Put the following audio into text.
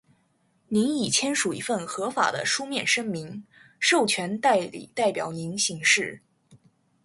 您已签署一份合法的书面声明，授权代理代表您行事。